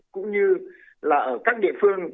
cũng như là ở các địa phương